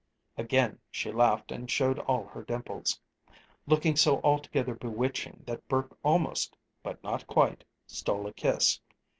Again she laughed and showed all her dimples, looking so altogether bewitching that Burke almost but not quite stole a kiss.